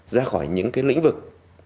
ra khỏi những cái lĩnh vực